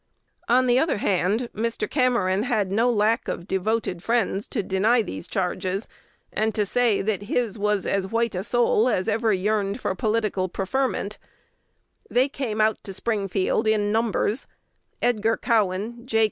On the other hand, Mr. Cameron had no lack of devoted friends to deny these charges, and to say that his was as "white a soul" as ever yearned for political preferment: they came out to Springfield in numbers, Edgar Cowan, J.